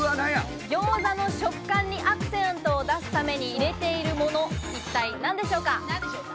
餃子の食感にアクセントを出すために入れているもの、一体何でしょうか？